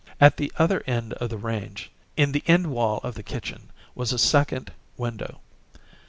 At the other end of the range, in the end wall of the kitchen, was a second window.